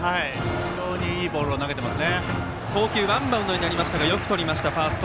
非常にいいボールを投げています。